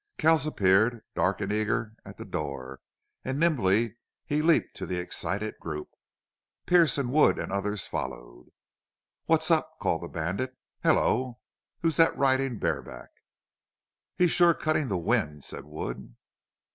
Kells appeared, dark and eager, at the door, and nimbly he leaped to the excited group. Pearce and Wood and others followed. "What's up?" called the bandit. "Hello! Who's that riding bareback?" "He's shore cuttin' the wind," said Wood.